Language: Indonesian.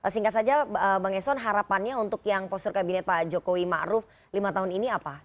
singkat saja bang eson harapannya untuk yang postur kabinet pak jokowi ⁇ maruf ⁇ lima tahun ini apa